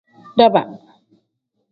Daaba.